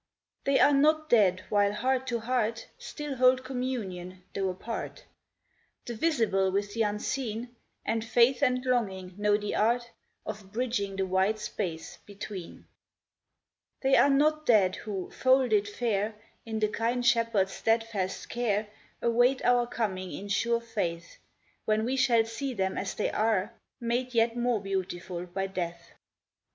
They are not dead while heart to heart Still hold communion though apart, The visible with the unseen, And faith and longing know the art Of bridging the wide space between. They are not dead who, folded fair In the kind Shepherd's steadfast care, Await our coming in sure faith, When we shall see them as they are, Made yet more beautiful by death.